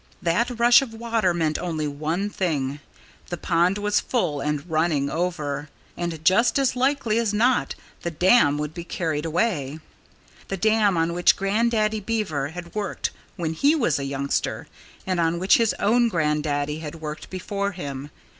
That rush of water meant only one thing. The pond was full and running over! And just as likely as not the dam would be carried away the dam on which Grandaddy Beaver had worked when he was a youngster, and on which his own grandaddy had worked before him.